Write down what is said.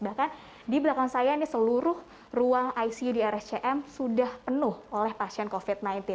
bahkan di belakang saya ini seluruh ruang icu di rscm sudah penuh oleh pasien covid sembilan belas